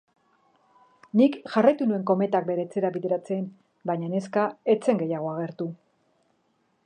Nik jarraitu nuen kometak bere etxera bideratzen, baina neska ez zen gehiago agertu